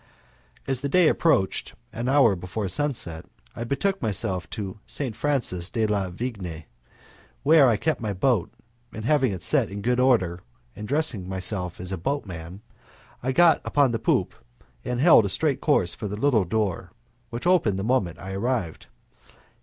On the day appointed, an hour before sunset, I betook myself to St. Francis de la Vigne, where I kept my boat, and having set it in order and dressed myself as a boatman, I got upon the poop and held a straight course for the little door, which opened the moment I arrived.